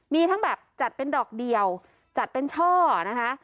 มีทั้งแบบจัดเป็นดอกเดียวจัดเป็นช่อนะคะ